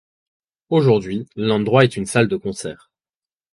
Aujourd'hui, l'endroit est une salle de concert.